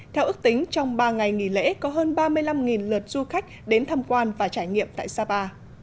theo ước tính trong ba ngày nghỉ lễ có hơn ba mươi năm lượt du khách đến tham quan và trải nghiệm tại sapa